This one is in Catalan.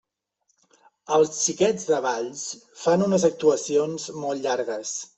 Els Xiquets de Valls fan unes actuacions molt llargues.